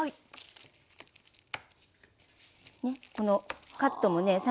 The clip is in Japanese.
このカットもね